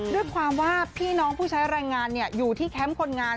ด้วยความว่าพี่น้องผู้ใช้แรงงานอยู่ที่แคมป์คนงาน